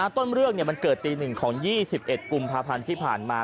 ต้นเรื่องมันเกิดตี๑ของ๒๑กุมภาพันธ์ที่ผ่านมา